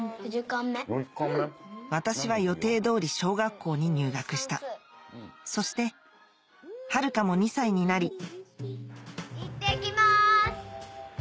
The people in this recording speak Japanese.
私は予定通り小学校に入学したそして遥も２歳になりいってきます！